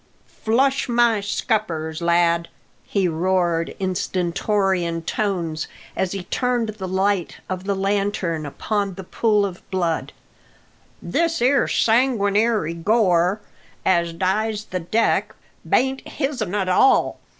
Flush my scuppers, lad!" he roared in stentorian tones, as he turned the light of the lantern upon the pool of blood, "this 'ere sanguinary gore as dyes the deck bain't his'n at all.